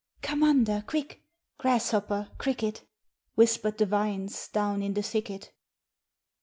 "Come under quick, Grasshopper, cricket!" Whispered the vines Down in the thicket.